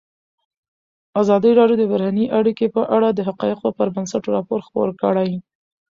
ازادي راډیو د بهرنۍ اړیکې په اړه د حقایقو پر بنسټ راپور خپور کړی.